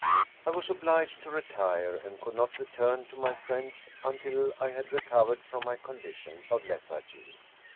I was obliged to retire, and could not return to my friends until I had recovered from my con dition of lethargy.